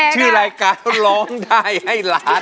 ชื่อรายการร้องได้ให้ล้าน